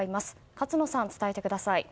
勝野さん、伝えてください。